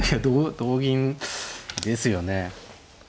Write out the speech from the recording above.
同同銀ですよね。